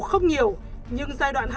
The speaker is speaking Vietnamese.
không nhiều nhưng giai đoạn hai